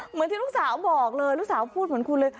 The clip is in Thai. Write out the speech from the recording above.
เหมือนที่ลูกสาวบอกเลยลูกสาวพูดเหมือนคุณเลย